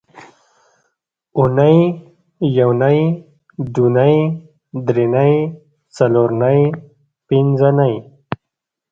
اونۍ یونۍ دونۍ درېنۍ څلورنۍ پینځنۍ